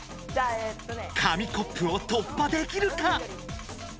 紙コップをとっぱできるか。